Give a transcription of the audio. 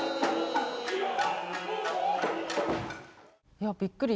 いやびっくり。